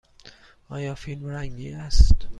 آیا فیلم رنگی است؟